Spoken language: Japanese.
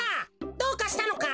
どうかしたのか？